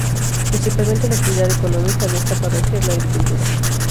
Principalmente la actividad económica de está parroquia es la agricultura.